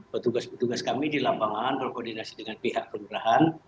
petugas petugas kami di lambangan berkoordinasi dengan pihak pemerintahan